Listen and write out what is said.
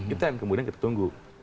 itu yang kemudian kita tunggu